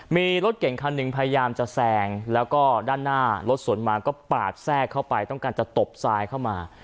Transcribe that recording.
มีรถเก่งคันหนึ่งพยายามจะแซงแล้วก็ด้านหน้ารถสวนมาก็ปาดแทรกเข้าไปต้องการจะตบซ้ายเข้ามา